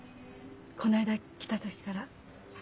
この間来た時から。